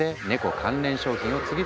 関連商品を次々開発。